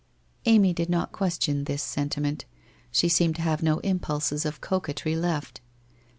Amy did not question this sentiment. She seemed to have no impulses of coquetry left.